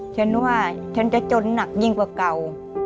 ฉันว่าฉันจะจนหนักยิ่งกว่าเก่า